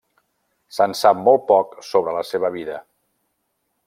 Se'n sap molt poc sobre la seva vida.